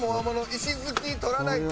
石づき取らないと。